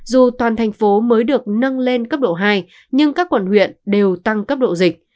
dù toàn thành phố mới được nâng lên cấp độ hai nhưng các quận huyện đều tăng cấp độ dịch